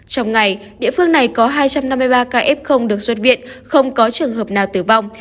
trong ngày địa phương này có hai trăm năm mươi ba ca f được xuất viện không có trường hợp nào tử vong